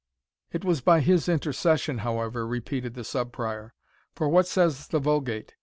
"It was by his intercession, however," repeated the Sub Prior; "for what says the Vulgate?